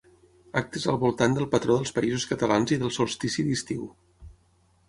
Actes al voltant del patró dels Països Catalans i del solstici d'estiu.